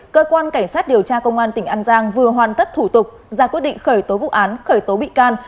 cơ quan cảnh sát điều tra công an tỉnh an giang vừa hoàn tất thủ tục ra quyết định khởi tố vụ án khởi tố bị can